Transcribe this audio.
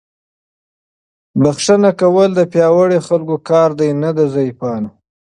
بښنه کول د پیاوړو خلکو کار دی، نه د ضعیفانو.